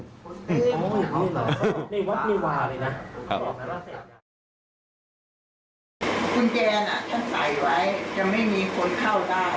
คุณแจนอะฉันใส่ไว้จะไม่มีคนเข้าได้